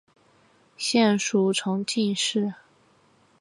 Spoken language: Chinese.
现属重庆市。